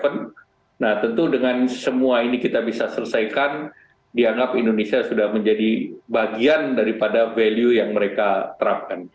nah tentu dengan semua ini kita bisa selesaikan dianggap indonesia sudah menjadi bagian daripada value yang mereka terapkan